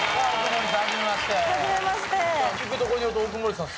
聞くところによると奥森さん